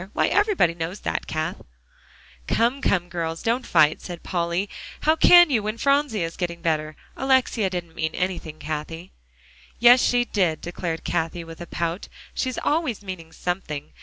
Why, everybody knows that, Cath." "Come, come, girls, don't fight," said Polly. "How can you when Phronsie is getting better? Alexia didn't mean anything, Cathie." "Yes, she did," declared Cathie with a pout; "she's always meaning something.